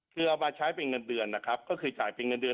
คือเอามาใช้เป็นเงินเดือนนะครับก็คือจ่ายเป็นเงินเดือน